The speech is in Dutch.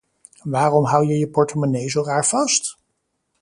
Waarom hou je je portemonnee zo raar vast?